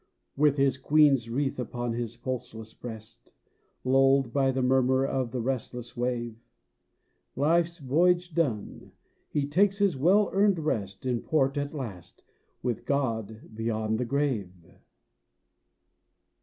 With his Queen's wreath upon his pulseless breast, Lulled by the murmur of the restless wave, Life's voyage done, he takes his well earned rest, In port, at last, with God beyond the grave.